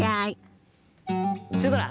シュドラ！